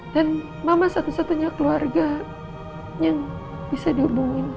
dan mama satu satunya keluarga yang bisa dihubungin